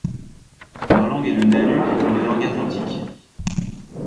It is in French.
Leur langue est le nalu, une langue atlantique.